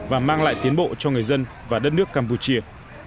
và mang lại tiến bộ cho người dân và đất nước campuchia